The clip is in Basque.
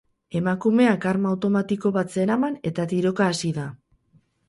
Emakumeak arma automatiko bat zeraman eta tiroka hasi da.